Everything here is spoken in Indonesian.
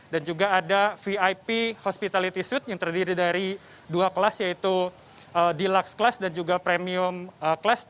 dan juga ada vip hospitality suite yang terdiri dari dua kelas yaitu deluxe class dan juga premium class